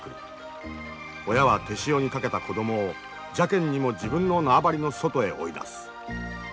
親は手塩にかけた子供を邪けんにも自分の縄張りの外へ追い出す。